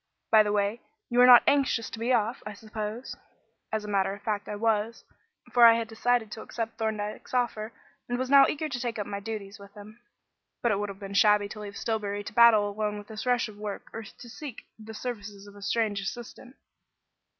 By the way, you are not anxious to be off, I suppose?" As a matter of fact, I was; for I had decided to accept Thorndyke's offer, and was now eager to take up my duties with him. But it would have been shabby to leave Stillbury to battle alone with this rush of work or to seek the services of a strange assistant.